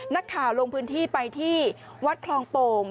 นักข่าวลงพื้นที่ไปที่วัดคลองโป่ง